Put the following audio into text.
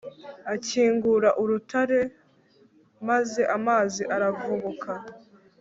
akingura urutare, maze amazi aravubuka